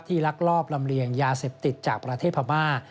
ลักลอบลำเลียงยาเสพติดจากประเทศพม่า